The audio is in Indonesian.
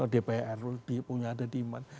dpr ada demand